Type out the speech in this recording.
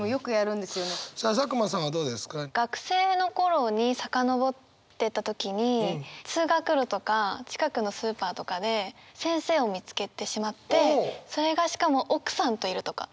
学生の頃に遡ってった時に通学路とか近くのスーパーとかで先生を見つけてしまってそれがしかも奥さんといるとか。